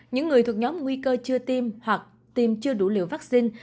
những người thuộc nhóm nguy cơ chưa tiêm hoặc tiêm chưa đủ liều vaccine